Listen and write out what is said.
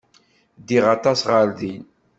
Ddiɣ aṭas ɣer din.